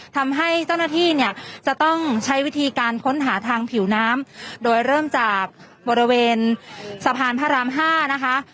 ทำให้เจ้าหน้าที่เนี่ยจะต้องใช้วิธีการค้นหาทางผิวน้ำโดยเริ่มจากบริเวณสะพานพระรามห้านะคะ